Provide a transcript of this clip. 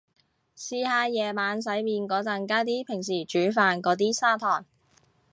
試下夜晚洗面個陣加啲平時煮飯個啲砂糖